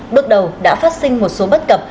bước đầu đã phát sinh một số bất cẩm